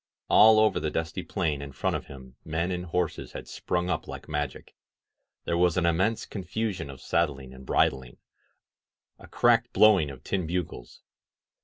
All over the dusty plain in front of him men and horses had sprung up like magic. There was an immense con fusion of saddling and bridling — ^a cracked blowing of tin bugles.